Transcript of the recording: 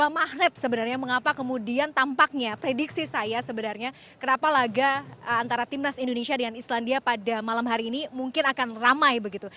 magnet sebenarnya mengapa kemudian tampaknya prediksi saya sebenarnya kenapa laga antara timnas indonesia dengan islandia pada malam hari ini mungkin akan ramai begitu